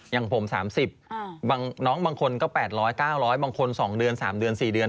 อย่างผม๓๐น้องบางคนก็๘๐๐๙๐๐บางคน๒เดือน๓เดือน๔เดือน